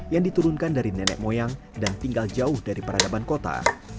yang diturunkan dari nenek moyang dan tinggal jauh dari peradaban kota